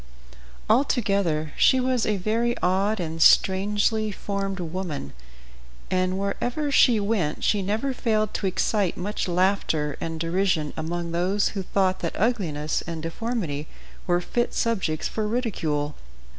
Altogether she was a very odd and strangely formed woman, and wherever she went she never failed to excite much laughter and derision among those who thought that ugliness and deformity were fit subjects for ridicule.